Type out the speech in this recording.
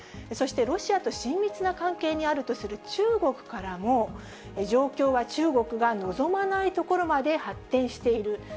そして、ロシアと親密な関係にあるとする中国からも、状況は中国が望まないところまで発展している。